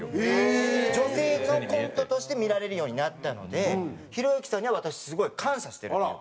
女性のコントとして見られるようになったのでひろゆきさんには私すごい感謝してるというか。